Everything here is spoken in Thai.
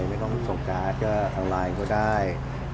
ไม่ต้องส่งการ์ดก็ทางไลน์ก็ได้